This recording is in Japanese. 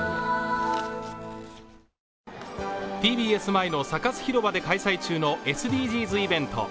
ＴＢＳ前のサカス広場で開催中のＳＤＧｓイベント。